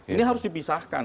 ini harus dipisahkan